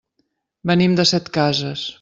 Venim de Setcases.